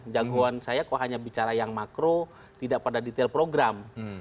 jagoan saya kok hanya bicara yang makro tidak pada detail program